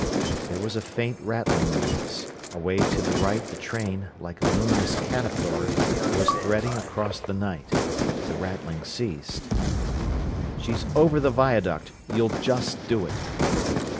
There was a faint rattling noise. Away to the right the train, like a luminous caterpillar, was threading across the night. The rattling ceased. "She's over the viaduct. You'll just do it."